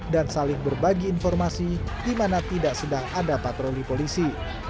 dan saling berbagi informasi di mana tidak sedang ada patroli polisi